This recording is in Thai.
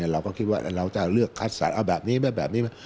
เราก็คิดว่าเราจะเลือกคัดสรรเอาแบบนี้มาแบบนี้